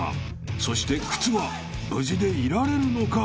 ［そして靴は無事でいられるのか］